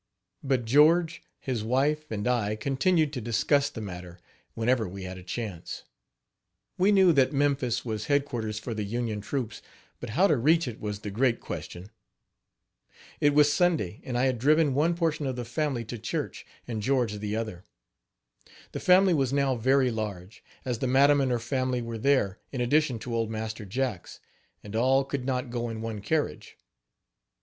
But George, his wife and I continued to discuss the matter, whenever we had a chance. We knew that Memphis was headquarters for the Union troops, but how to reach it was the great question. It was Sunday, and I had driven one portion of the family to church, and George the other. The family was now very large, as the madam and her family were there, in addition to Old Master Jack's, and all could not go in one carriage.